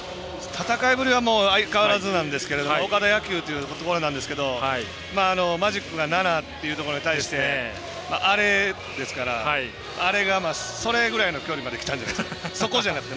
戦いぶりは相変わらずなんですけど岡田野球というものなんですけどマジックが７というところに対してアレですからアレがソレぐらいの距離まできたんじゃないですか。